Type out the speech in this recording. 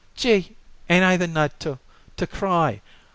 "Gee! Ain't I the nut to to cry?